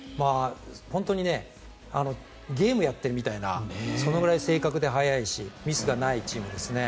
本当にゲームをやっているみたいなそのぐらい正確で速いしミスがないチームですね。